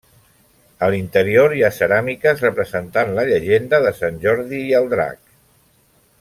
A l'interior hi ha ceràmiques representant la llegenda de Sant Jordi i el drac.